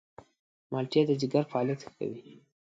مالټې د ځيګر فعالیت ښه کوي.